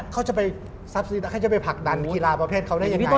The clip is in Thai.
เขาจะไปซับซีให้ไปผลักดันธุรกิจภาพเขาได้ยังไง